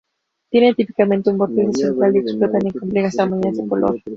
Tienen, típicamente, un vórtice central y explotan en complejas armonías de color.